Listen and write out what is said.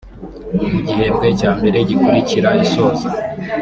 mu gihembwe cya mbere gikurikira isoza